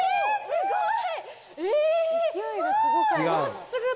すごい。